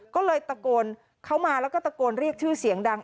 ก็เลยตะโกนเขามาแล้วก็ตะโกนเรียกชื่อเสียงดัง